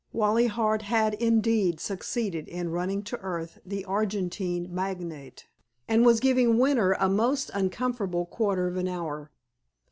Wally Hart had, indeed, succeeded in running to earth the Argentine magnate, and was giving Winter a most uncomfortable quarter of an hour.